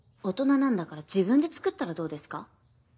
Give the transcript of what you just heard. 大人なんだから自分で作ったらどうですか？